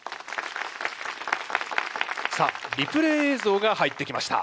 さあリプレー映像が入ってきました。